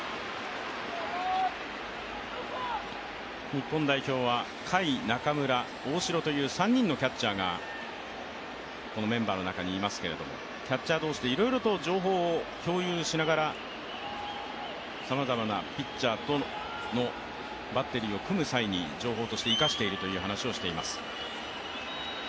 日本代表は甲斐、中村、大城という３人のキャッチャーがこのメンバーの中にいますけれどもキャッチャー同士でいろいろと情報を共有しながらさまざまなピッチャーとバッテリーを組む際に情報として生かしているという話をしています。